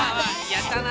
やったな。